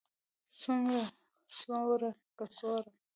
څومره, څوړه، کڅوړه